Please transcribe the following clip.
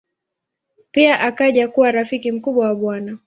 Pia akaja kuwa rafiki mkubwa wa Bw.